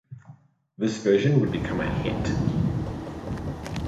This version would become a hit.